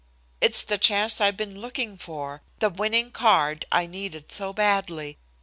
It's the chance I've been looking for, the winning card I needed so badly.